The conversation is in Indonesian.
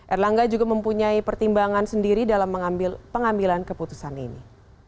erlangga juga mempunyai pertimbangan sendiri dalam mengambil pengambilan keputusan ini